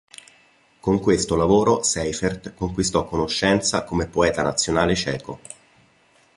Con questo lavoro Seifert conquistò conoscenza come poeta nazionale ceco.